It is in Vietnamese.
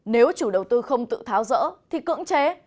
nếu chủ đầu tư không tự tháo rỡ thì cưỡng chế